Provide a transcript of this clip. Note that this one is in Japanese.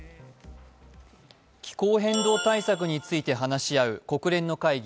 気候変動対策について話し合う国連の会議